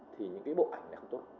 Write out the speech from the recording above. thì những cái bộ ảnh này không tốt